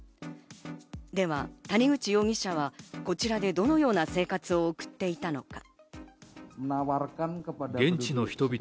では谷口容疑者は、こちらでどのような生活を送っていたのか。